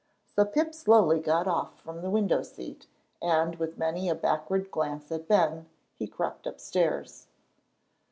So Pip slowly got off from the window seat, and, with many a backward glance at Ben, he crept upstairs.